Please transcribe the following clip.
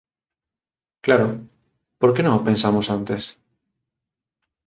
Claro. Por que non o pensamos antes?